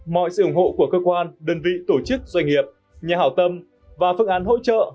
mọi sự ủng hộ của cơ quan đơn vị tổ chức doanh nghiệp nhà hảo tâm và phương án hỗ trợ